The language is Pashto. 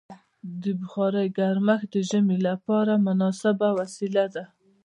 د بخارۍ ګرمښت د ژمي لپاره مناسبه وسیله ده.